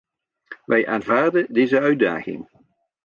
Wij aanvaarden deze uitdaging.